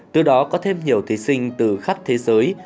từ đó có thêm nhiều thí sinh từ khắp thế giới